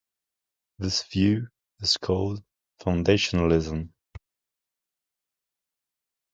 This view is called foundationalism.